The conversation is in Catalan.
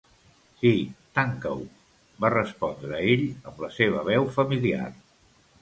"Sí, tanca-ho," -va respondre ell amb la seva veu familiar.